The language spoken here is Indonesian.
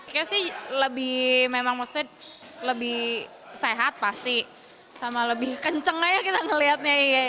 kayaknya sih memang lebih sehat pasti sama lebih kenceng aja kita melihatnya